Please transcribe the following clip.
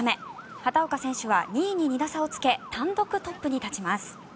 畑岡選手は２位に２打差をつけ単独トップに立ちます。